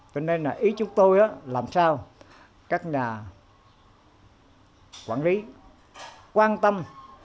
cho nên là ý chúng tôi là làm sao các nhà quản lý quan tâm